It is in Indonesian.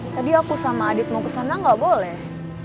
tadi aku sama adit mau ke sana gak boleh